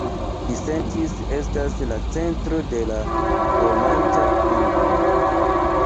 Disentis estas la centro de la romanĉa lingvo.